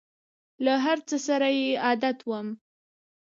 له هر څه سره یې عادت وم !